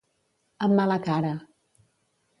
Amb mala cara.